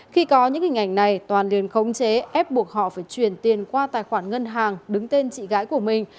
khi có những hình ảnh này toàn liền khống chế ép buộc họ phải chuyển tiền qua tài khoản ngân hàng đứng tên chị gái của mình